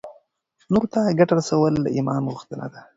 نورو ته ګټه رسول د ایمان غوښتنه ده.